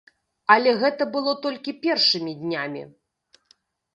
Але гэта было толькі першымі днямі.